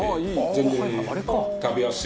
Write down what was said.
全然食べやすい。